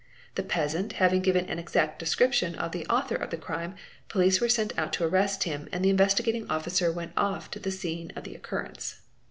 The peasant having given an exact description of the author of the crime, police were sent out to arrest him and the Investigating Officer went off to the scene _ of the occurrence.